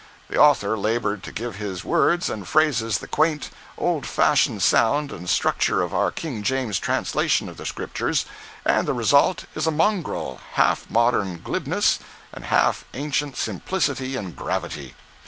The author labored to give his words and phrases the quaint, old fashioned sound and structure of our King James's translation of the Scriptures; and the result is a mongrel—half modern glibness, and half ancient simplicity and gravity.